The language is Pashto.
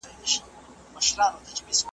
¬ اوښ په سر باري نه درنېږي.